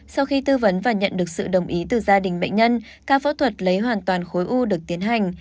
sau khi tư vấn và nhận được sự đồng ý từ gia đình bệnh nhân ca phẫu thuật lấy hoàn toàn khối u được tiến hành